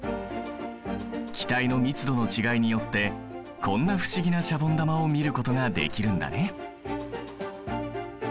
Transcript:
気体の密度の違いによってこんな不思議なシャボン玉を見ることができるんだね。